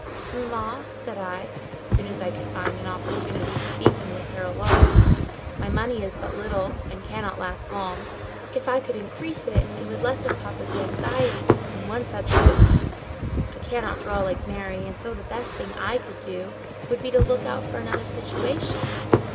"Mamma," said I, as soon as I could find an opportunity of speaking with her alone, "my money is but little, and cannot last long; if I could increase it, it would lessen papa's anxiety, on one subject at least. I cannot draw like Mary, and so the best thing I could do would be to look out for another situation."